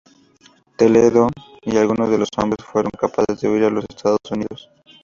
Toledo y algunos de los hombres fueron capaces de huir a los Estados Unidos.